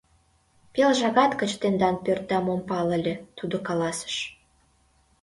— Пел шагат гыч тендан пӧртдам ом пале ыле, — тудо каласыш.